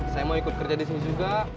saya mau ikut kerja di sini juga